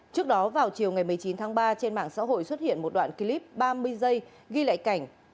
trước đó vào chiều ngày một mươi chín tháng ba trên mạng xã hội xuất hiện một đoạn clip ba mươi giây ghi lại cảnh